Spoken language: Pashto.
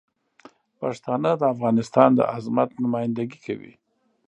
پښتانه د افغانستان د عظمت نمایندګي کوي.